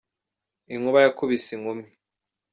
Inkuba yakubise inkumi.